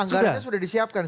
anggarannya sudah disiapkan